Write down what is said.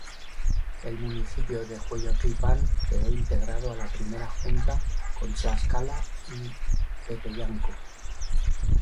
El municipio de Hueyotlipan quedó integrado a la primera junta, con Tlaxcala y Tepeyanco.